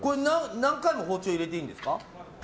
何回も包丁入れていいんですか？